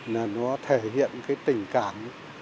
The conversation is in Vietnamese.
nó thể hiện tình cảm